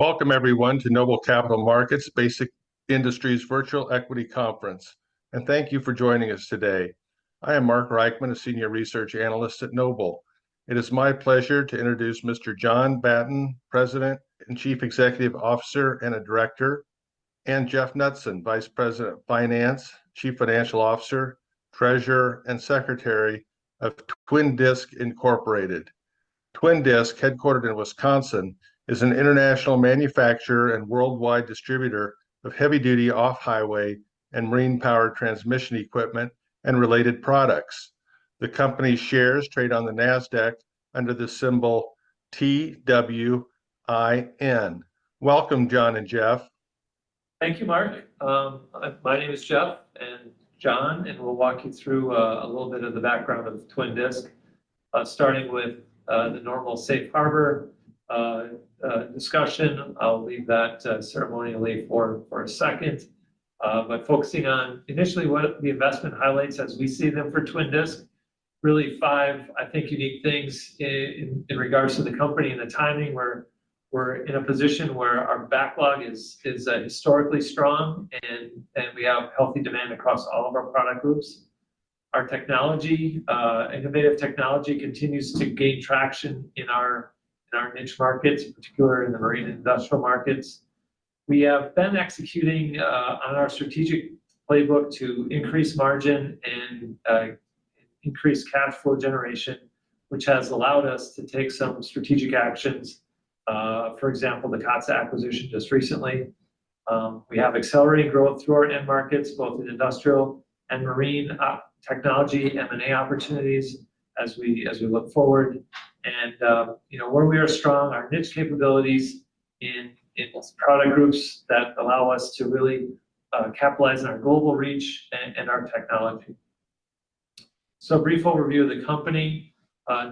Welcome everyone to Noble Capital Markets Basic Industries Virtual Equity Conference, and thank you for joining us today. I am Mark Reichman, a senior research analyst at Noble. It is my pleasure to introduce Mr. John Batten, President and Chief Executive Officer, and a director, and Jeff Knutson, Vice President of Finance, Chief Financial Officer, Treasurer, and Secretary of Twin Disc Incorporated. Twin Disc, headquartered in Wisconsin, is an international manufacturer and worldwide distributor of heavy-duty off-highway and marine power transmission equipment and related products. The company's shares trade on the NASDAQ under the symbol TWIN. Welcome, John and Jeff. Thank you, Mark. My name is Jeff, and John, and we'll walk you through a little bit of the background of Twin Disc. Starting with the normal Safe Harbor discussion, I'll leave that ceremonially for a second, but focusing on initially what the investment highlights as we see them for Twin Disc, really five, I think, unique things in regards to the company and the timing. We're in a position where our backlog is historically strong, and we have healthy demand across all of our product groups. Our technology, innovative technology continues to gain traction in our niche markets, in particular in the marine and industrial markets. We have been executing on our strategic playbook to increase margin and increase cash flow generation, which has allowed us to take some strategic actions for example, the Katsa acquisition just recently. We have accelerating growth through our end markets, both in industrial and marine technology, M&A opportunities as we look forward. And you know, where we are strong, our niche capabilities in product groups that allow us to really capitalize on our global reach and our technology. A brief overview of the company.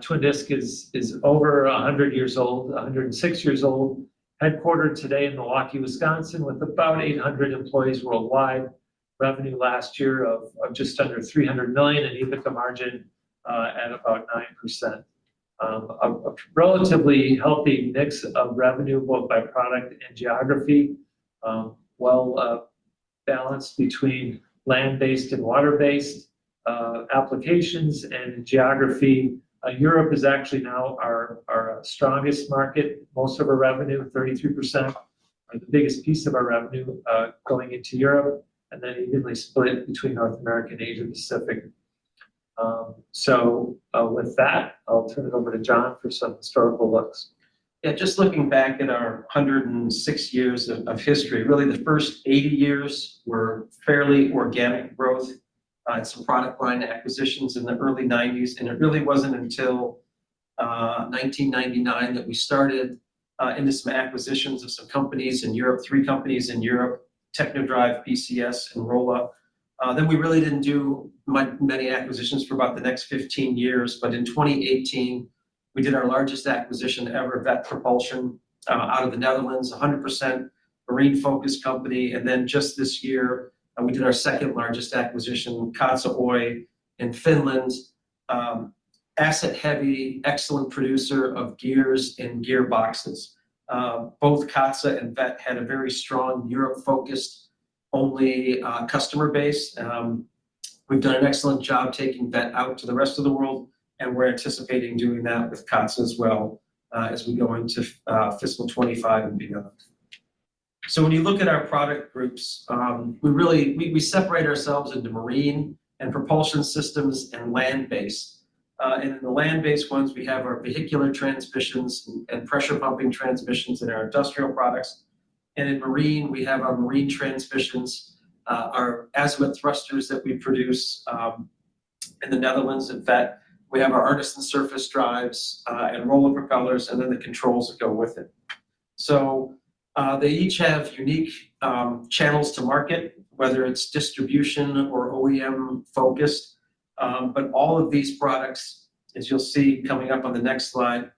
Twin Disc is over a hundred years old, a hundred and six years old, headquartered today in Milwaukee, Wisconsin, with about eight hundred employees worldwide. Revenue last year of just under $300 million, and EBITDA margin at about 9%. A relatively healthy mix of revenue, both by product and geography, balanced between land-based and water-based applications and geography. Europe is actually now our strongest market. Most of our revenue, 33%, are the biggest piece of our revenue going into Europe, and then evenly split between North America and Asia Pacific. With that, I'll turn it over to John for some historical looks. Yeah, just looking back at our hundred and six years of history, really, the first eighty years were fairly organic growth, and some product line acquisitions in the early nineties, and it really wasn't until nineteen ninety-nine that we started into some acquisitions of some companies in Europe, three companies in Europe, Technodrive, BCS, and Rolla. Then we really didn't do many acquisitions for about the next fifteen years, but in twenty eighteen, we did our largest acquisition ever, Veth Propulsion, out of the Netherlands, a hundred percent marine-focused company. Then just this year, we did our second-largest acquisition, Katsa Oy, in Finland. Asset heavy, excellent producer of gears and gearboxes. Both Katsa and Veth had a very strong Europe-focused only customer base. We've done an excellent job taking Veth out to the rest of the world, and we're anticipating doing that with Katsa as well, as we go into fiscal twenty-five and beyond. So when you look at our product groups, we really... We separate ourselves into marine and propulsion systems and land-based. And in the land-based ones, we have our vehicular transmissions and pressure pumping transmissions in our industrial products. And in marine, we have our marine transmissions, our azimuth thrusters that we produce in the Netherlands. In Veth, we have our Arneson Surface Drives, and Rolla Propellers, and then the controls that go with it. So they each have unique channels to market, whether it's distribution or OEM-focused. But all of these products, as you'll see coming up on the next slide,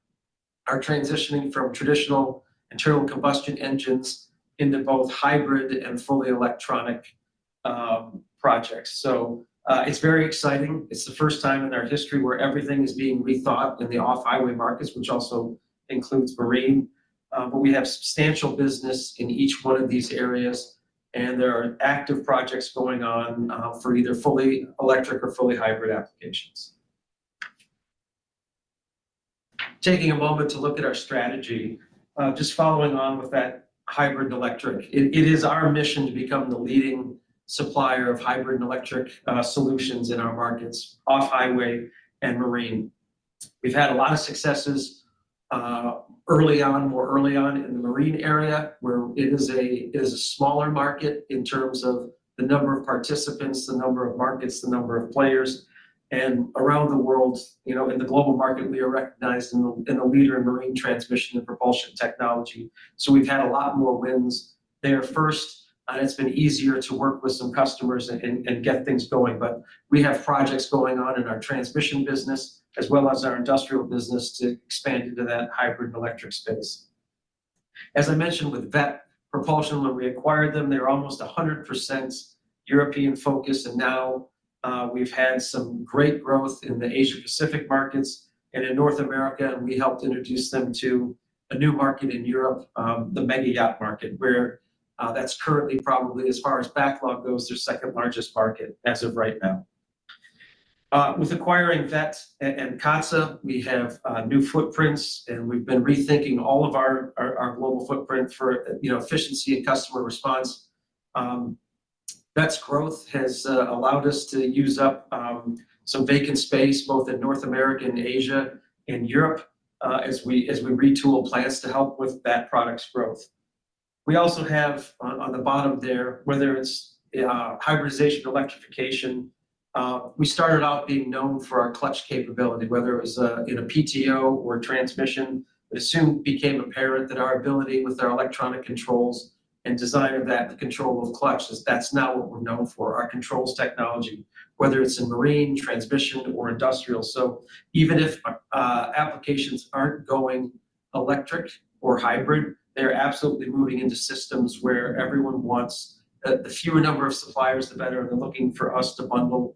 are transitioning from traditional internal combustion engines into both hybrid and fully electronic projects. So, it's very exciting. It's the first time in our history where everything is being rethought in the off-highway markets, which also includes marine. But we have substantial business in each one of these areas, and there are active projects going on for either fully electric or fully hybrid applications. Taking a moment to look at our strategy, just following on with that hybrid electric, it is our mission to become the leading supplier of hybrid electric solutions in our markets, off-highway and marine. We've had a lot of successes early on, more early on in the marine area, where it is a smaller market in terms of the number of participants, the number of markets, the number of players. Around the world, you know, in the global market, we are recognized as a leader in marine transmission and propulsion technology. So we've had a lot more wins there first, and it's been easier to work with some customers and get things going. But we have projects going on in our transmission business, as well as our industrial business, to expand into that hybrid electric space. As I mentioned with Veth Propulsion when we acquired them, they were almost 100% European focused, and now we've had some great growth in the Asia Pacific markets and in North America, and we helped introduce them to a new market in Europe, the mega yacht market, where that's currently probably, as far as backlog goes, their second largest market as of right now. With acquiring Veth and Katsa, we have new footprints, and we've been rethinking all of our global footprint for, you know, efficiency and customer response. Veth's growth has allowed us to use up some vacant space both in North America and Asia and Europe, as we retool plants to help with that product's growth. We also have on the bottom there, whether it's hybridization, electrification, we started out being known for our clutch capability, whether it was in a PTO or a transmission. It soon became apparent that our ability with our electronic controls and design of that, the control of clutches, that's now what we're known for, our controls technology, whether it's in marine, transmission, or industrial. So even if applications aren't going electric or hybrid, they're absolutely moving into systems where everyone wants the fewer number of suppliers, the better, and they're looking for us to bundle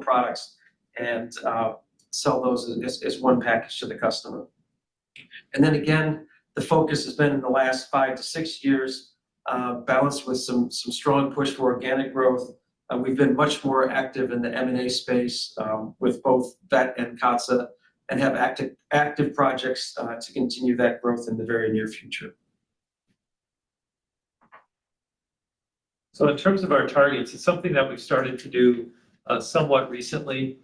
products and sell those as one package to the customer. And then again, the focus has been, in the last five to six years, balanced with some strong push to organic growth. And we've been much more active in the M&A space, with both Veth and Katsa, and have active projects to continue that growth in the very near future. So in terms of our targets, it's something that we've started to do, somewhat recently,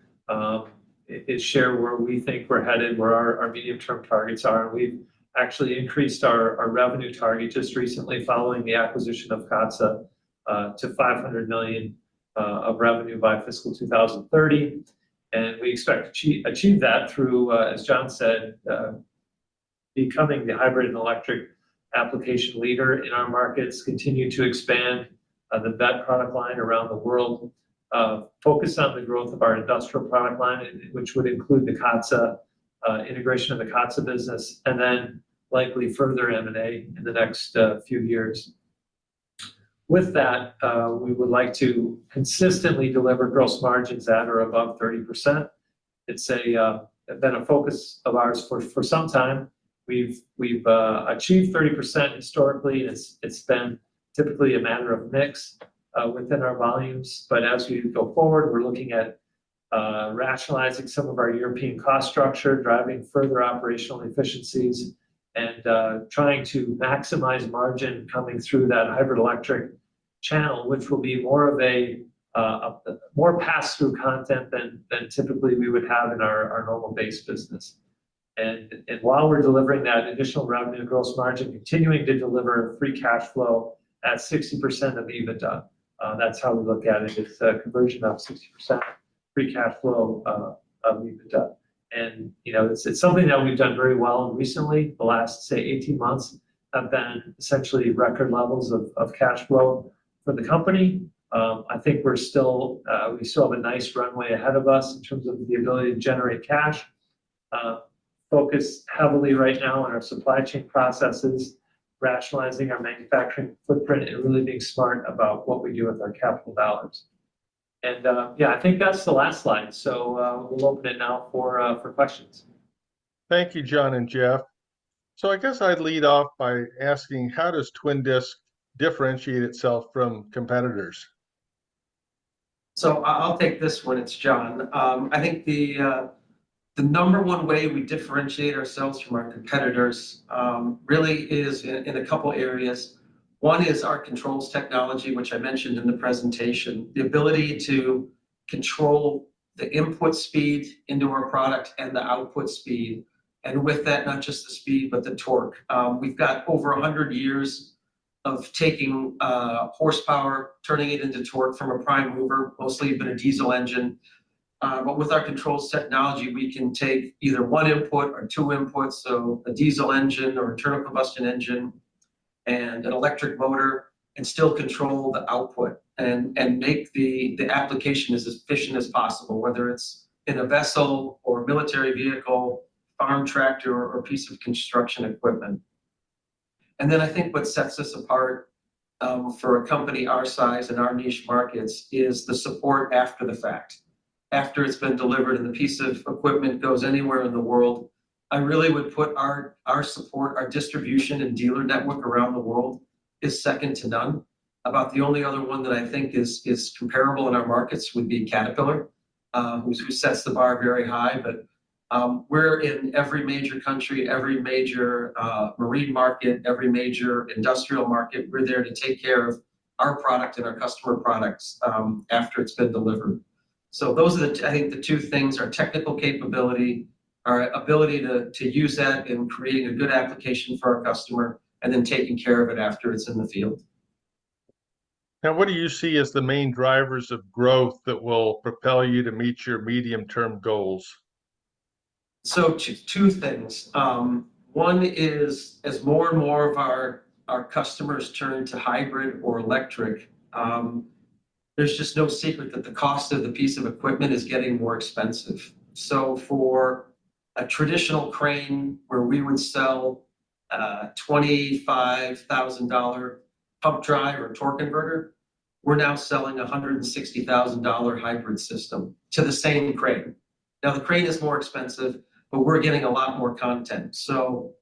is share where we think we're headed, where our medium-term targets are. And we've actually increased our revenue target just recently following the acquisition of Katsa, to $500 million of revenue by fiscal 2030. We expect to achieve that through, as John said, becoming the hybrid and electric application leader in our markets, continue to expand the Veth product line around the world, focus on the growth of our industrial product line, which would include the Katsa integration of the Katsa business, and then likely further M&A in the next few years. With that, we would like to consistently deliver gross margins at or above 30%. It's been a focus of ours for some time. We've achieved 30% historically. It's been typically a matter of mix within our volumes. But as we go forward, we're looking at rationalizing some of our European cost structure, driving further operational efficiencies, and trying to maximize margin coming through that hybrid electric channel, which will be more of a more pass-through content than typically we would have in our normal base business. And while we're delivering that additional revenue and gross margin, continuing to deliver free cash flow at 60% of EBITDA, that's how we look at it. It's a conversion of 60% free cash flow of EBITDA. And, you know, it's something that we've done very well recently. The last, say, eighteen months have been essentially record levels of cash flow for the company. I think we still have a nice runway ahead of us in terms of the ability to generate cash. Focus heavily right now on our supply chain processes, rationalizing our manufacturing footprint, and really being smart about what we do with our capital balance. And, yeah, I think that's the last slide. So, we'll open it now for questions. Thank you, John and Jeff. So I guess I'd lead off by asking: How does Twin Disc differentiate itself from competitors? I'll take this one. It's John. I think the number one way we differentiate ourselves from our competitors really is in a couple areas. One is our controls technology, which I mentioned in the presentation. The ability to control the input speed into our product and the output speed, and with that, not just the speed, but the torque. We've got over a hundred years of taking horsepower, turning it into torque from a prime mover, mostly been a diesel engine. But with our controls technology, we can take either one input or two inputs, so a diesel engine or internal combustion engine and an electric motor, and still control the output and make the application as efficient as possible, whether it's in a vessel or military vehicle, farm tractor, or piece of construction equipment. And then I think what sets us apart for a company our size and our niche markets is the support after the fact. After it's been delivered and the piece of equipment goes anywhere in the world, I really would put our support, our distribution and dealer network around the world is second to none. About the only other one that I think is comparable in our markets would be Caterpillar who sets the bar very high. But we're in every major country, every major marine market, every major industrial market. We're there to take care of our product and our customer products after it's been delivered. Those are the, I think, the two things: our technical capability, our ability to use that in creating a good application for our customer, and then taking care of it after it's in the field. Now, what do you see as the main drivers of growth that will propel you to meet your medium-term goals? So two things. One is, as more and more of our customers turn to hybrid or electric, there's just no secret that the cost of the piece of equipment is getting more expensive. So for a traditional crane, where we would sell a $25,000 pump drive or torque converter, we're now selling a $160,000 hybrid system to the same crane. Now, the crane is more expensive, but we're getting a lot more content. So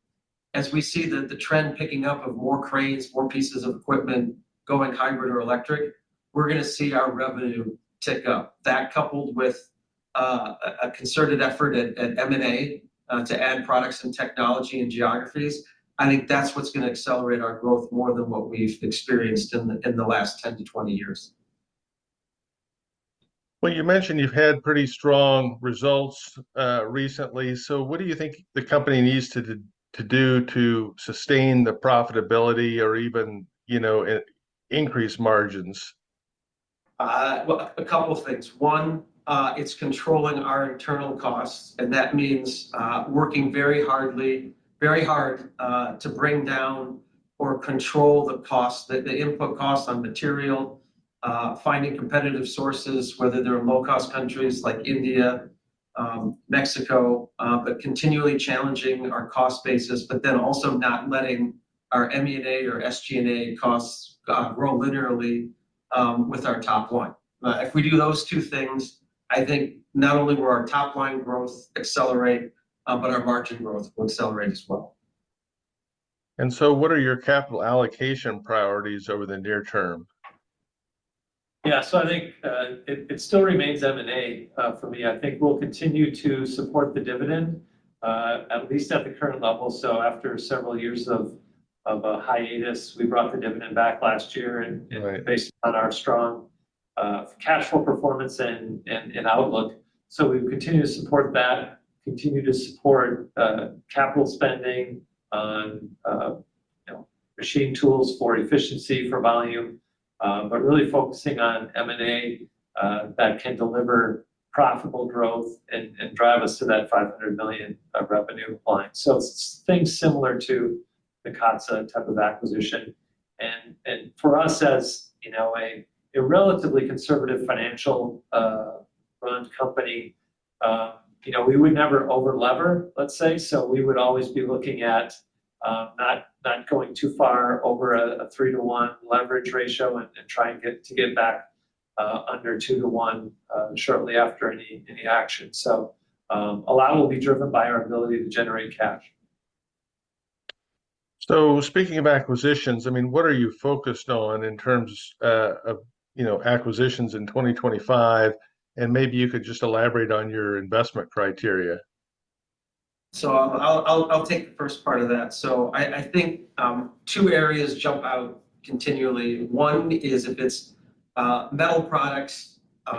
as we see the trend picking up of more cranes, more pieces of equipment going hybrid or electric, we're gonna see our revenue tick up. That, coupled with a concerted effort at M&A to add products and technology and geographies, I think that's what's gonna accelerate our growth more than what we've experienced in the last ten to twenty years. You mentioned you've had pretty strong results recently. What do you think the company needs to do to sustain the profitability or even, you know, increase margins? Well, a couple things. One, it's controlling our internal costs, and that means, working very hard, to bring down or control the costs, the input costs on material. Finding competitive sources, whether they're in low-cost countries like India, Mexico, but continually challenging our cost basis, but then also not letting our M&A or SG&A costs, grow linearly, with our top line. If we do those two things, I think not only will our top line growth accelerate, but our margin growth will accelerate as well. What are your capital allocation priorities over the near term? Yeah. So I think it still remains M&A for me. I think we'll continue to support the dividend at least at the current level. So after several years of a hiatus, we brought the dividend back last year- Right... and based on our strong cash flow performance and outlook. We continue to support that, continue to support capital spending on, you know, machine tools for efficiency, for volume, but really focusing on M&A that can deliver profitable growth and drive us to that $500 million revenue line. Things similar to the Katsa type of acquisition. For us, as you know, a relatively conservative financially run company, you know, we would never over-lever, let's say. We would always be looking at, not going too far over a 3-to-1 leverage ratio and trying to get back under 2-to-1 shortly after any action. A lot will be driven by our ability to generate cash. Speaking of acquisitions, I mean, what are you focused on in terms of, you know, acquisitions in 2025? And maybe you could just elaborate on your investment criteria. So I'll take the first part of that. I think two areas jump out continually. One is if it's metal products. For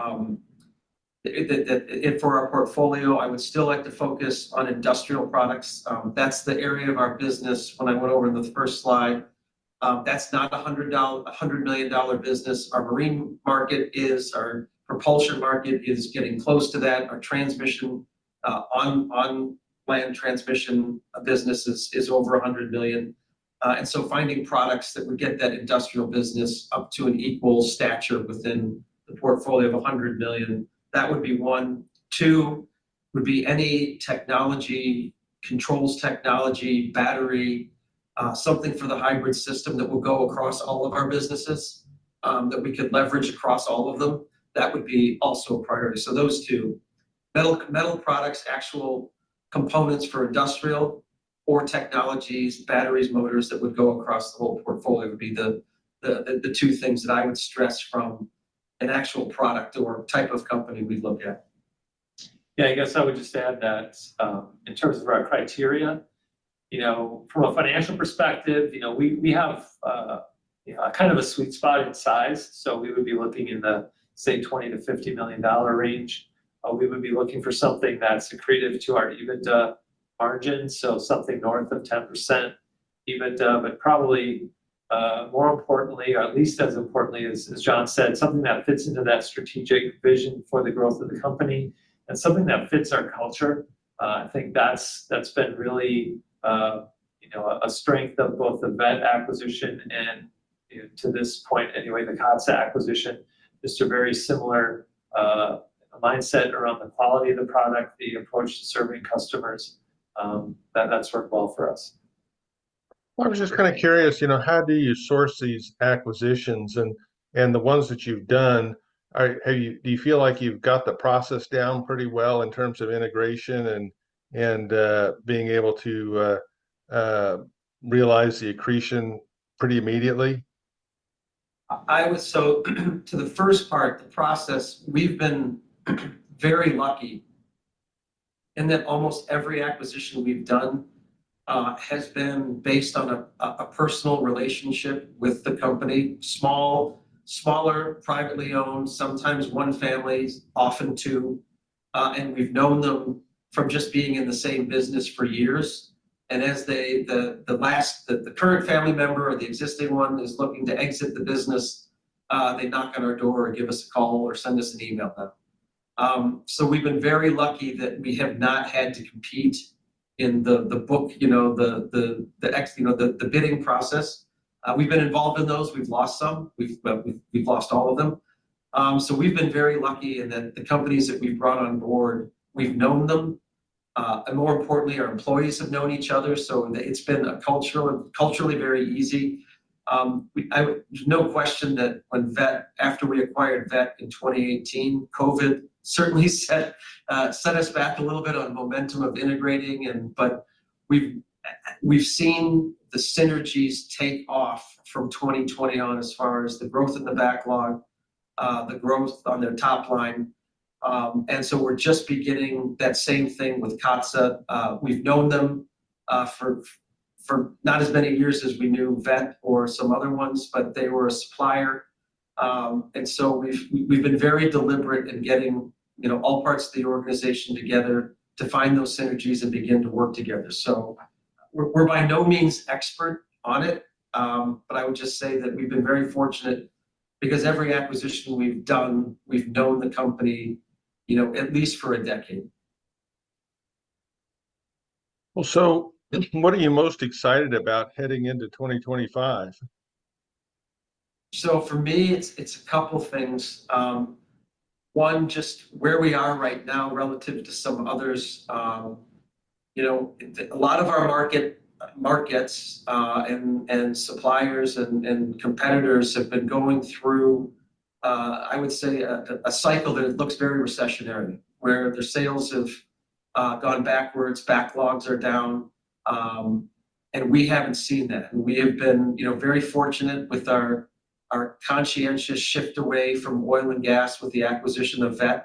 our portfolio, I would still like to focus on industrial products. That's the area of our business, when I went over the first slide, that's not a $100 million business. Our marine market is, our propulsion market is getting close to that. Our transmission on-land transmission business is over $100 million. And so finding products that would get that industrial business up to an equal stature within the portfolio of $100 million, that would be one. Two, would be any technology, controls technology, battery, something for the hybrid system that will go across all of our businesses, that we could leverage across all of them. That would be also a priority. So those two, metal products, actual components for industrial or technologies, batteries, motors that would go across the whole portfolio, would be the two things that I would stress from an actual product or type of company we'd look at. Yeah, I guess I would just add that, in terms of our criteria, you know, from a financial perspective, you know, we have kind of a sweet spot in size, so we would be looking in the, say, $20 million-$50 million range. We would be looking for something that's accretive to our EBITDA margin, so something north of 10% EBITDA. But probably, more importantly, or at least as importantly, as John said, something that fits into that strategic vision for the growth of the company and something that fits our culture. I think that's been really, you know, a strength of both the Veth acquisition and, to this point anyway, the Katsa acquisition. Just a very similar mindset around the quality of the product, the approach to serving customers. That worked well for us. I was just kind of curious, you know, how do you source these acquisitions? The ones that you've done, do you feel like you've got the process down pretty well in terms of integration and being able to realize the accretion pretty immediately? So, to the first part, the process, we've been very lucky, in that almost every acquisition we've done has been based on a personal relationship with the company. Smaller, privately owned, sometimes one family, often two, and we've known them from just being in the same business for years. And as they, the last, the current family member or the existing one is looking to exit the business, they knock on our door, or give us a call, or send us an email. So we've been very lucky that we have not had to compete in the book, you know, the bidding process. We've been involved in those. We've lost some. But we've lost all of them. So we've been very lucky in that the companies that we've brought on board, we've known them, and more importantly, our employees have known each other, so it's been culturally very easy. No question that when Veth, after we acquired Veth in 2018, COVID certainly set us back a little bit on momentum of integrating and. But we've seen the synergies take off from 2020 on, as far as the growth of the backlog, the growth on their top line. And so we're just beginning that same thing with Katsa. We've known them for not as many years as we knew Veth or some other ones, but they were a supplier. We've been very deliberate in getting, you know, all parts of the organization together to find those synergies and begin to work together. We're by no means expert on it, but I would just say that we've been very fortunate because every acquisition we've done, we've known the company, you know, at least for a decade. What are you most excited about heading into 2025? So for me, it's a couple things. One, just where we are right now relative to some others. You know, a lot of our markets and suppliers and competitors have been going through, I would say, a cycle that looks very recessionary, where their sales have gone backwards, backlogs are down, and we haven't seen that. And we have been, you know, very fortunate with our conscious shift away from oil and gas with the acquisition of Veth.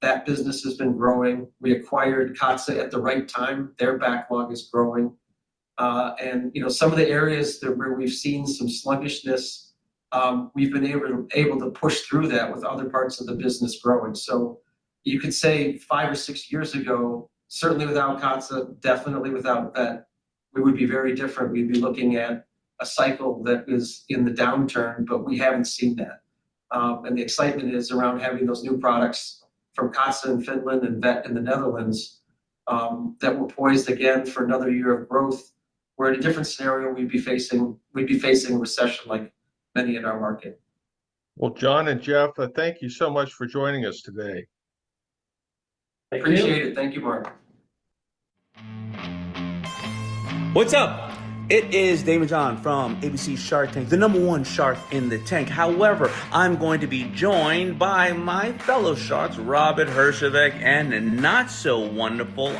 That business has been growing. We acquired Katsa at the right time. Their backlog is growing. And, you know, some of the areas where we've seen some sluggishness, we've been able to push through that with other parts of the business growing. So you could say five or six years ago, certainly without Katsa, definitely without Veth, we would be very different. We'd be looking at a cycle that is in the downturn, but we haven't seen that, and the excitement is around having those new products from Katsa in Finland and Veth in the Netherlands, that we're poised again for another year of growth, where in a different scenario, we'd be facing recession like many in our market. Well, John and Jeff, thank you so much for joining us today. Thank you. I appreciate it. Thank you, Mark.